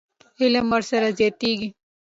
علم ورسره زیاتېږي.